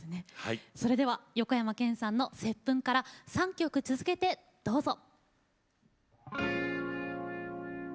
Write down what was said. それでは横山剣さんの「接吻」から３曲続けてどうぞ。